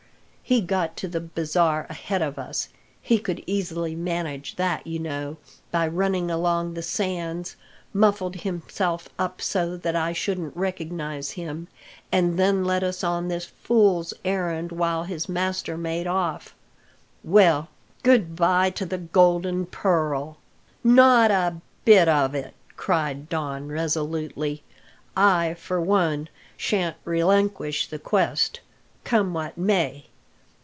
He got to the bazaar ahead of us he could easily manage that, you know, by running along the sands muffled himself up so that I shouldn't recognise him, and then led us on this fool's errand while his master made off. Well, good bye to the golden pearl!" "Not a bit of it!" cried Don resolutely. "I, for one, shan't relinquish the quest, come what may.